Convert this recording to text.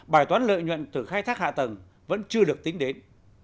bài toán lợi nhuận từ khai thác hạ tầng vẫn chưa được tính đến